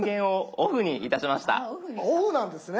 あっオフなんですね。